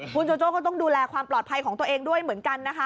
คุณโจโจ้ก็ต้องดูแลความปลอดภัยของตัวเองด้วยเหมือนกันนะคะ